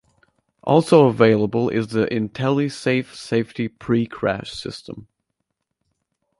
Also available is the IntelliSafe safety precrash system.